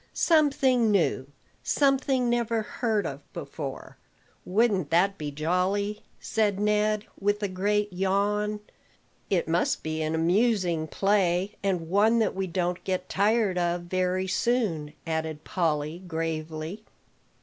"Something new, something never heard of before, wouldn't that be jolly?" said Ned, with a great yawn. "It must be an amusing play, and one that we don't get tired of very soon," added Polly gravely.